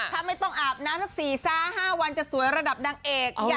ถ้าไม่ต้องอาบน้ำสัก๔๕วันจะสวยระดับนางเอก